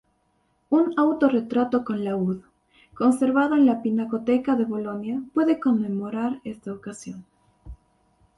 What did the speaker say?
Un "Autorretrato con laúd" conservado en la Pinacoteca de Bolonia puede conmemorar esta ocasión.